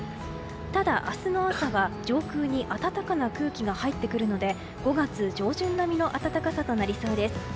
ただ、明日の朝は上空に暖かな空気が入ってくるので、５月上旬並みの暖かさとなりそうです。